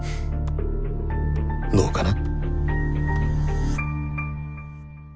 どうかな。